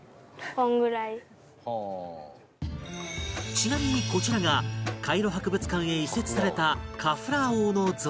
ちなみにこちらがカイロ博物館へ移設されたカフラー王の像